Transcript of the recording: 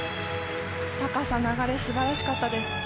高さ、流れ素晴らしかったです。